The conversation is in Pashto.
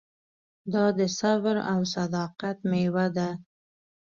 دا د صبر او صداقت مېوه ده.